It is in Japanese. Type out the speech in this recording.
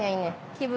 気分